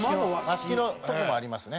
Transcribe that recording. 和式のとこもありますね。